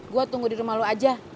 gue tunggu di rumah lo aja